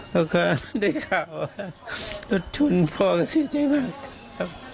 แล้วก็ได้ข่าวลดทุนพ่อก็เสียใจมาก